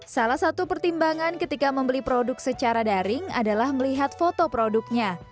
salah satu pertimbangan ketika membeli produk secara daring adalah melihat foto produknya